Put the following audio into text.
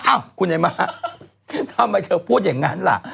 อ้าวคุณไอ้ม้าทำไมเธอพูดอย่างนั้นล่ะ